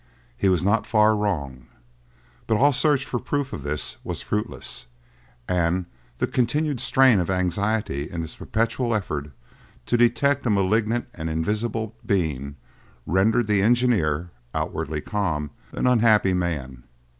He was not far wrong; but all search for proof of this was fruitless, and the continued strain of anxiety in this perpetual effort to detect a malignant and invisible being rendered the engineer—outwardly calm—an unhappy man.